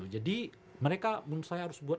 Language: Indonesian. jadi mereka menurut saya harus buat